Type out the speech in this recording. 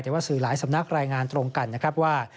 แต่ว่าสื่อหลายสำนักรายงานตรงกันนะครับว่า